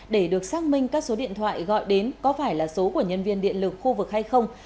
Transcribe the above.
để được xác minh các số điện thoại gọi đến có phải là số của nhân viên điện lực khu vực hay không